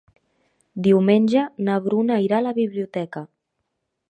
Diumenge na Bruna irà a la biblioteca.